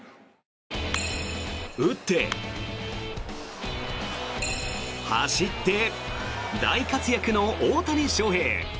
打って、走って大活躍の大谷翔平。